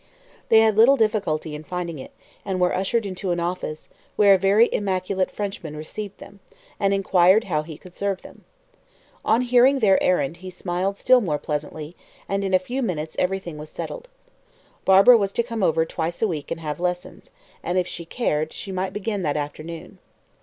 They had little difficulty in finding it, and were ushered into an office, where a very immaculate Frenchman received them, and inquired how he could serve them. On hearing their errand he smiled still more pleasantly, and in a few minutes everything was settled. Barbara was to come over twice a week and have lessons, and, if she cared, might begin that afternoon.